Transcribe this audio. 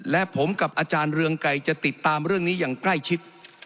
และผมกับอาจารย์เรืองไกรจะติดตามเรื่องนี้อย่างใกล้ชิด